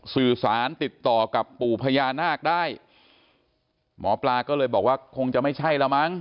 สื่อสารติดต่อกับปู่พญานาคได้หมอปลาก็เลยบอกว่าคงจะไม่ใช่แล้วมั้ง